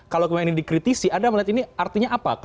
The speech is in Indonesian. kalau kemudian ini dikritisi anda melihat ini artinya apa